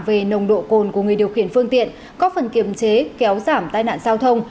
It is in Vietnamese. về nồng độ cồn của người điều khiển phương tiện có phần kiềm chế kéo giảm tai nạn giao thông